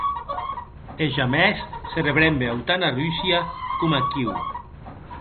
E jamès se rebrembe autant a Russia coma aquiu.